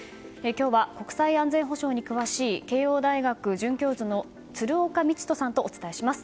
今日は国際安全保障に詳しい慶應大学准教授の鶴岡路人さんとお伝えします。